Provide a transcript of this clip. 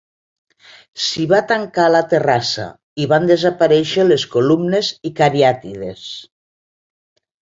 S'hi va tancar la terrassa i van desaparèixer les columnes i cariàtides.